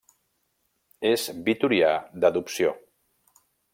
És vitorià d'adopció.